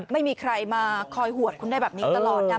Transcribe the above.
ไม่มีใครมาคอยหวดคุณได้แบบนี้ตลอดนะ